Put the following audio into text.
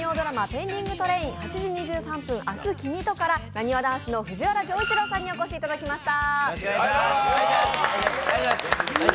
「ペンディングトレイン−８時２３分、明日君と」からなにわ男子の藤原丈一郎さんにお越しいただきました。